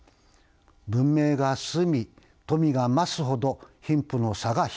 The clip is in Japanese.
「文明が進み富が増すほど貧富の差がひどくなる。